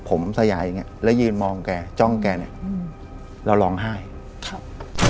ผมสยายอย่างเงี้แล้วยืนมองแกจ้องแกเนี่ยอืมแล้วร้องไห้ครับ